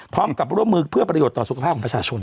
พร้อมกับร่วมมือเพื่อประโยชน์ต่อสุขภาพของประชาชน